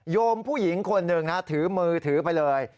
โยมผู้หญิงคนหนึ่งนะถือมือถือไปเลย